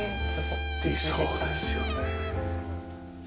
理想ですよね。